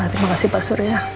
terima kasih pak surya